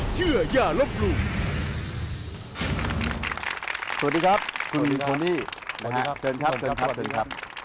สวัสดีครับคุณโทนี่สวัสดีครับสวัสดีครับ